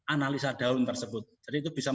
analisa daun tersebut jadi itu bisa